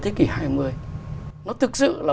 thế kỷ hai mươi nó thực sự là